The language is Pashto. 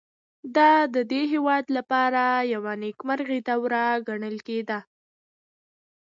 دا د دې هېواد لپاره یوه نېکمرغه دوره ګڼل کېده.